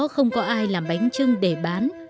không có ai làm bánh chưng để bán